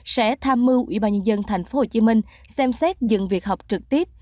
sẽ tham mưu ubnd thành phố hồ chí minh xem xét dừng việc học trực tiếp